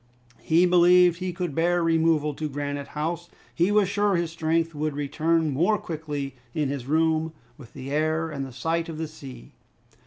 He believed he could bear removal to Granite House. He was sure his strength would return more quickly in his room, with the air and sight of the sea!